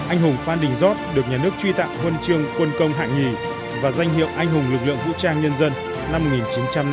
anh hùng phan đình gióp được nhà nước truy tạm quân trương quân công hạng nhì và danh hiệu anh hùng lực lượng vũ trang nhân dân năm một nghìn chín trăm năm mươi năm